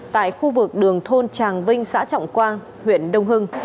tại khu vực đường thôn tràng vinh xã trọng quang huyện đông hưng